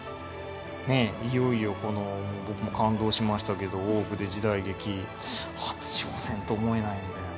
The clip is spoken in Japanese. ねえいよいよこの僕も感動しましたけど「大奥」で時代劇初挑戦と思えないんだよな。